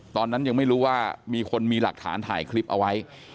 ตอนนั้นยังไม่รู้ว่ามีคนมีหลักฐานถ่ายคลิปเอาไว้